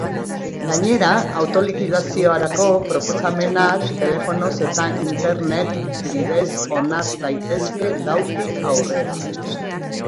Gainera, autolikidaziorako proposamenak telefonoz eta internet bidez onar daitezke gaurtik aurrera.